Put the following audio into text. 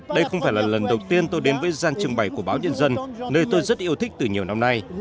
đây không phải là lần đầu tiên tôi đến với gian trưng bày của báo nhân dân nơi tôi rất yêu thích từ nhiều năm nay